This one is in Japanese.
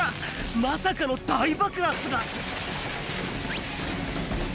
まさかの大爆発が。